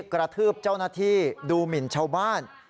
กระทืบเจ้าหน้าที่ดูหมินชาวบ้าน